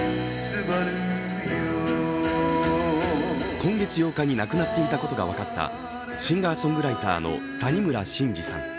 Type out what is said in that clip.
今月８日に亡くなっていたことが分かったシンガーソングライターの谷村新司さん